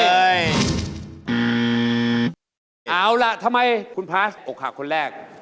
เอาล่ะทำไมคุณพาสอกหักคนแรก